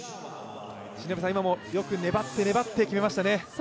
今もよく粘って粘って決めましたね。